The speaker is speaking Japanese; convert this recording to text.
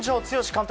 監督